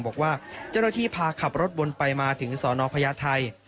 บอกว่าเจ้าหน้าที่พาขับรถวนไปมาถึงสอนอพญาไทย